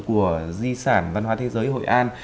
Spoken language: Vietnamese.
của di sản văn hóa thế giới hội an